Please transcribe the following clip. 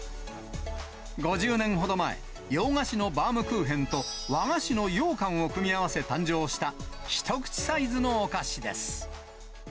５０年ほど前、洋菓子のバームクーヘンと和菓子のようかんを組み合わせ誕生した、一口サイズのお菓子です。